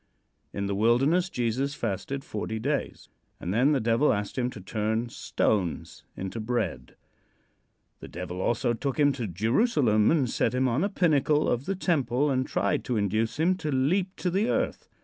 In the wilderness Jesus fasted forty days, and then the Devil asked him to turn stones into bread. The Devil also took him to Jerusalem and set him on a pinnacle of the temple, and tried to induce him to leap to the earth.